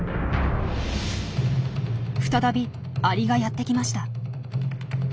再びアリがやってきました。